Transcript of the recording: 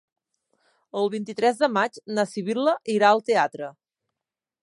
El vint-i-tres de maig na Sibil·la irà al teatre.